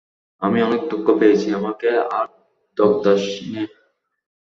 আমি অনেক দুঃখ পেয়েছি, আমাকে আর দগ্ধাস নে।